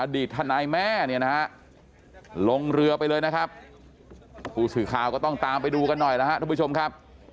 ทนายแม่เนี่ยนะฮะลงเรือไปเลยนะครับผู้สื่อข่าวก็ต้องตามไปดูกันหน่อยแล้วครับทุกผู้ชมครับ